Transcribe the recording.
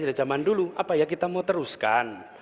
dari zaman dulu apa ya kita mau teruskan